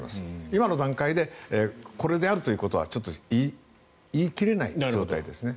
今の段階でこれであるということは言い切れない状態ですね。